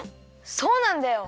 そうなんだよ。